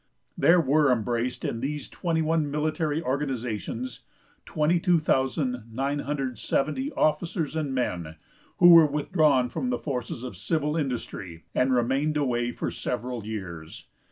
There were embraced in these twenty one military organizations, 22,970 officers and men, who were withdrawn from the forces of civil industry, and remained away for several years.